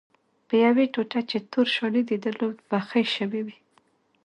پر یوې ټوټه چې تور شالید یې درلود بخۍ شوې وې.